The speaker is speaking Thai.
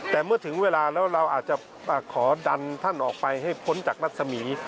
แต่เมื่อถึงเวลาแล้วเราอาจจะขอดันท่านออกไปให้พ้นจากรัศมี